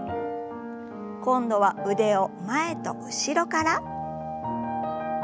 今度は腕を前と後ろから。